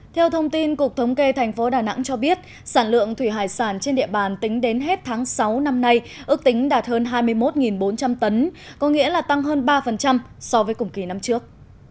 theo thông tin cục thống kê thành phố đà nẵng cho biết sản lượng thủy hải sản trên địa bàn tính đến hết tháng sáu năm nay ước tính đạt hơn hai mươi một bốn trăm linh tấn có nghĩa là tăng hơn ba so với cùng kỳ năm trước